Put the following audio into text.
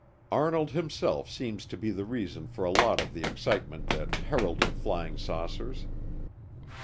Arnold himself seems to be the reason for a lot of the excitement that heralded flying saucers.